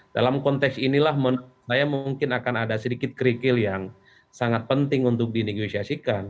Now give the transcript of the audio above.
dalam konteks inilah menurut saya mungkin akan ada sedikit kerikil yang sangat penting untuk dinegosiasikan